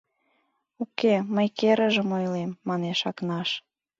— Уке, мый керыжым ойлем, — манеш Акнаш.